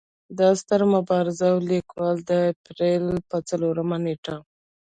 دا ستر مبارز او ليکوال د اپرېل پۀ څلورمه نېټه